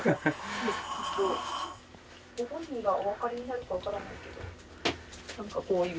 ご本人がお分かりになるか分からないけど何かこういう。